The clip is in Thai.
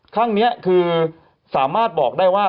ข้างนี้คือสามารถบอกได้ว่า